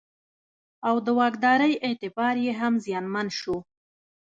او د واکدارۍ اعتبار یې هم زیانمن شو.